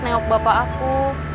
nengok bapak aku